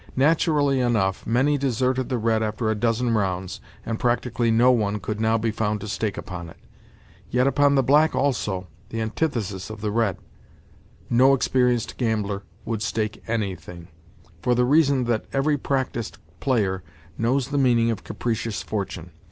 Naturally enough, many deserted the red after a dozen rounds, and practically no one could now be found to stake upon it. Yet upon the black also—the antithesis of the red—no experienced gambler would stake anything, for the reason that every practised player knows the meaning of "capricious fortune."